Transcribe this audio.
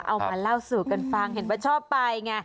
เอามาเล่าสู่กันฟังเห็นว่าชอบไปไง